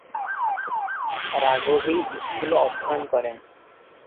Rugby স্কুলে অধ্যয়ন করেন।